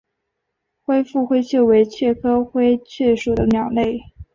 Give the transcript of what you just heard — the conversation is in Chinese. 灰腹灰雀为雀科灰雀属的鸟类。